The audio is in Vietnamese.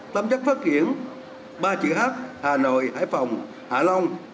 tâm chất phát triển ba trụ tháp hà nội hải phòng hạ long